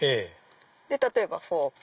例えばフォーク。